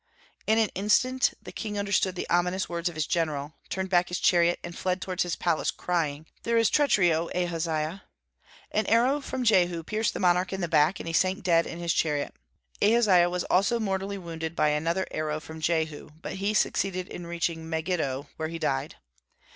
In an instant the king understood the ominous words of his general, turned back his chariot, and fled toward his palace, crying, "There is treachery, O Ahaziah!" An arrow from Jehu pierced the monarch in the back, and he sank dead in his chariot. Ahaziah also was mortally wounded by another arrow from Jehu, but he succeeded in reaching Megiddo, where he died.